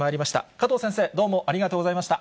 加藤先生、どうもありがとうございました。